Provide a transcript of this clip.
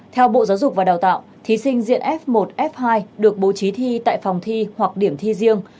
theo bộ giáo dục và đào tạo thí sinh diện f một f hai được bố trí thi tại phòng thi hoặc điểm thi riêng